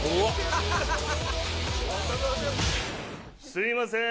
すいません。